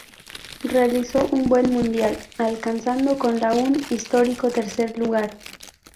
Realizó un buen Mundial, alcanzando con la un histórico tercer lugar.